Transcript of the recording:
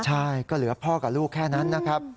ใช่ก็เหลือพ่อกับลูกแค่นั้นนะครับ